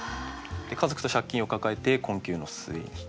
家族と借金を抱えて困窮の末に。